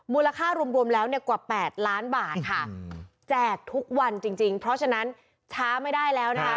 มูลค่ารวมแล้วเนี่ยกว่า๘ล้านบาทค่ะแจกทุกวันจริงจริงเพราะฉะนั้นช้าไม่ได้แล้วนะคะ